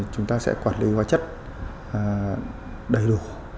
chúng ta sẽ quản lý hóa chất đầy đủ